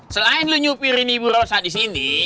selain lu nyupirin ibu rosa disini